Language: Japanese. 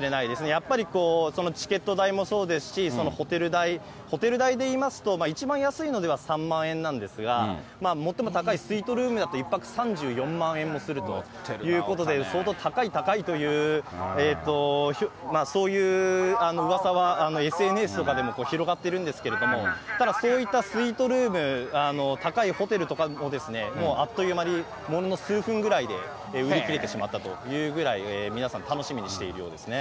やっぱりチケット代もそうですし、そのホテル代、ホテル代でいいますと、一番安いのでは３万円なんですが、最も高いスイートルームだと１泊３４万円もするということで、相当高い高いという、そういううわさはＳＮＳとかでも広がってるんですけれども、ただ、そういったスイートルーム、高いホテルとかも、もうあっというまにものの数分ぐらいで売り切れてしまったというぐらい、皆さん楽しみにしているようですね。